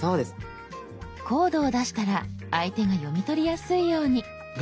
コードを出したら相手が読み取りやすいように。